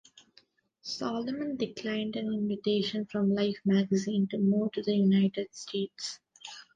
Salomon declined an invitation from "Life Magazine" to move to the United States.